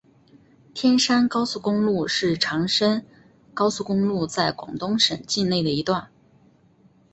天汕高速公路是长深高速公路在广东省境内的一段。